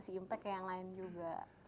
si impact ke yang lain juga